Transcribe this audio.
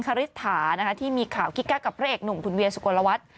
คริสถาที่มีข่าวกิ๊กกักกับพระเอกหนุ่มคุณเวียสุโกลวัฒน์